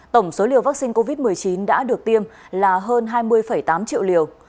tổng số liều vaccine covid một mươi chín đã được tiêm là hơn hai mươi tám triệu liều